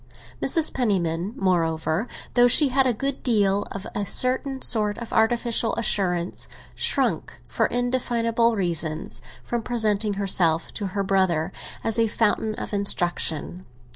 Mrs. Penniman, moreover, though she had a good deal of a certain sort of artificial assurance, shrank, for indefinable reasons, from presenting herself to her brother as a fountain of instruction.